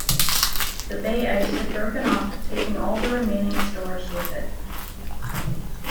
The bay ice had broken off taking all the remaining stores with it.